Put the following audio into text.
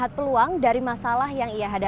makanya buat mas emang